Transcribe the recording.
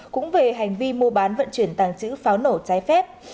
cũng về hành vi mua bán vận chuyển tàng trữ pháo nổ trái phép